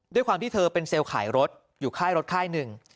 ด้วยความที่เธอเป็นเซลล์ขายรถอยู่ค่ายรถค่ายหนึ่ง